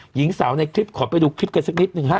หญิงสาวในคลิปขอไปดูคลิปกันสักนิดหนึ่งฮะ